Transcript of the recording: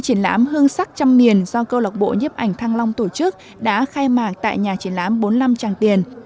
triển lãm hương sắc trăm miền do câu lạc bộ nhiếp ảnh thăng long tổ chức đã khai mạc tại nhà triển lãm bốn mươi năm tràng tiền